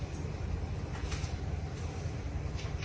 สวัสดีครับ